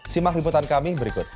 simah liputan kami berikut